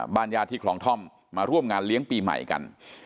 ญาติที่คลองท่อมมาร่วมงานเลี้ยงปีใหม่กัน